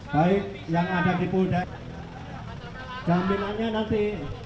baik yang ada di polda jaminannya nanti